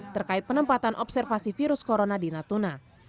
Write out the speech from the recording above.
terkait penempatan observasi virus corona di natuna